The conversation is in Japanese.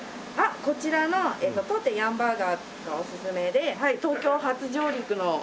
こちらの当店ヤンバーガーがおすすめで東京初上陸の。